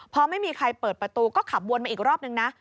พอไม่มีใครเปิดประตูก็ขับวนมาอีกรอบนึงนะ